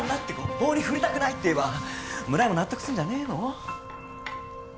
棒に振りたくないって言えば村井も納得するんじゃねえの？